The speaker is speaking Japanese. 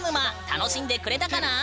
楽しんでくれたかな？